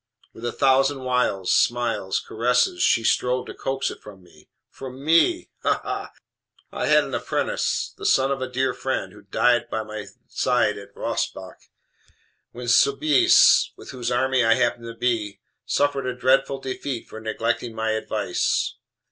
With a thousand wiles, smiles, caresses, she strove to coax it from me from ME ha! ha! "I had an apprentice the son of a dear friend, who died by my side at Rossbach, when Soubise, with whose army I happened to be, suffered a dreadful defeat for neglecting my advice.